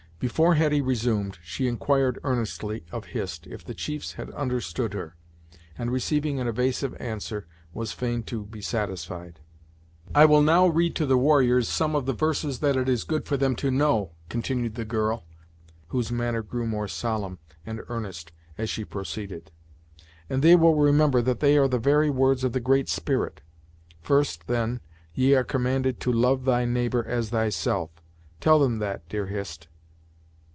Before Hetty resumed she inquired earnestly of Hist if the chiefs had understood her, and receiving an evasive answer, was fain to be satisfied. "I will now read to the warriors some of the verses that it is good for them to know," continued the girl, whose manner grew more solemn and earnest as she proceeded "and they will remember that they are the very words of the Great Spirit. First, then, ye are commanded to 'love thy neighbor as Thyself.' Tell them that, dear Hist."